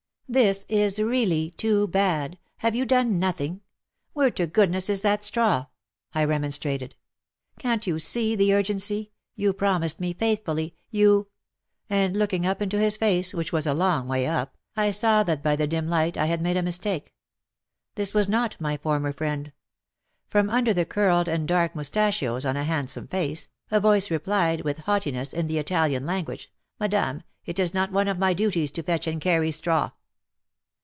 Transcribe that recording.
''This is really too bad — have you done nothing} Where to goodness is that straw?" I remonstrated. *' Can't you see the urgency — you promised me faithfully — you "— and look ing up into his face, which was a long way up, I saw that by the dim light I had made a mis take. This was not my former friend ! From under the curled and dark moustachios on a handsome face, a voice replied with haughti ness, in the Italian language :'' Madam, it is not one of my duties to fetch and carry straw